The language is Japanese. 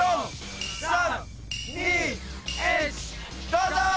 どうぞ！